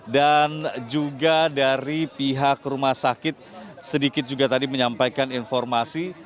dan juga dari pihak rumah sakit sedikit juga tadi menyampaikan informasi